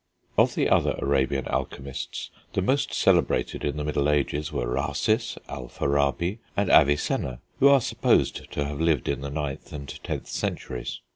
Of the other Arabian alchemists, the most celebrated in the middle ages were Rhasis, Alfarabi, and Avicenna, who are supposed to have lived in the 9th and 10th centuries.